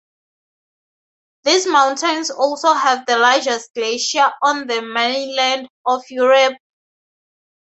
These mountains also have the largest glacier on the mainland of Europe, Jostedalsbreen.